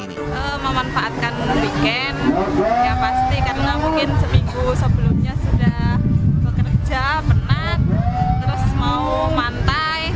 kita memanfaatkan weekend ya pasti karena mungkin seminggu sebelumnya sudah bekerja penat terus mau mantai